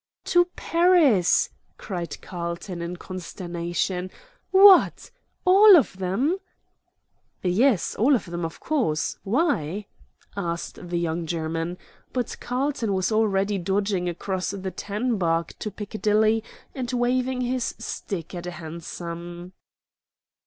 "To Paris!" cried Carlton, in consternation. "What! all of them?" "Yes, all of them, of course. Why?" asked the young German. But Carlton was already dodging across the tan bark to Piccadilly and waving his stick at a hansom.